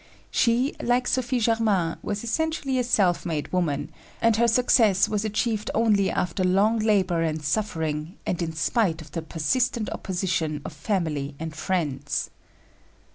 She, like Sophie Germain, was essentially a self made woman; and her success was achieved only after long labor and suffering and in spite of the persistent opposition of family and friends.